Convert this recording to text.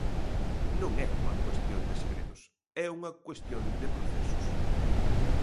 Non é unha cuestión de segredos, é unha cuestión de procesos.